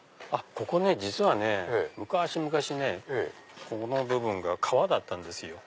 ここね実はね昔々この部分が川だったんですよ。